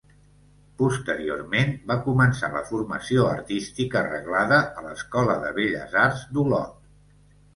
Posteriorment, va començar la formació artística reglada a l'Escola de Belles Arts d'Olot.